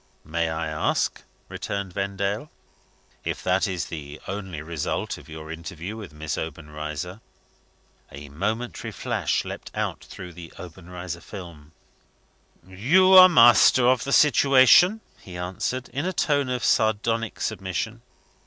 "May I ask," returned Vendale, "if that is the only result of your interview with Miss Obenreizer?" A momentary flash leapt out through the Obenreizer film. "You are master of the situation," he answered, in a tone of sardonic submission.